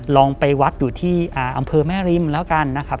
ลองไปวัดอยู่ที่อำเภอแม่ริมแล้วกันนะครับ